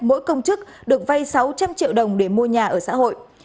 mỗi công chức được vay sáu trăm linh triệu đồng để mua nhà ở xã hội